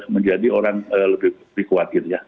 menjadi orang lebih kuat